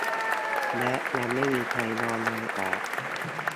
และยังไม่มีใครยอมลาออก